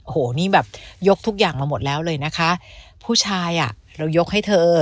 โอ้โหนี่แบบยกทุกอย่างมาหมดแล้วเลยนะคะผู้ชายอ่ะเรายกให้เธอ